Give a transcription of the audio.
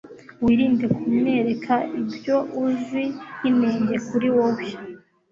wirinde kumwereka ibyo uzi nk'inenge kuri wowe